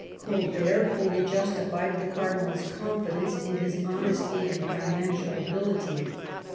Colbert fully justified the cardinal's con fidence in his honesty and financial ability.